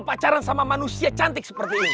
pacaran sama manusia cantik seperti ini